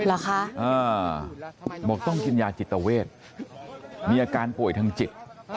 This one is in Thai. เหรอคะบอกต้องกินยาจิตเวทมีอาการป่วยทางจิต